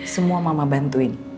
semua mama bantuin